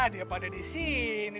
dia pada di sini